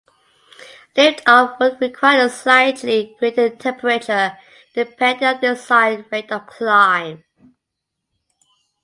Liftoff would require a slightly greater temperature, depending on the desired rate of climb.